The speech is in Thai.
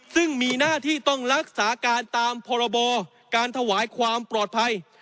ซึ่งมีหน้าที่ต้องรักษาการตามพรบการถวายความปลอดภัย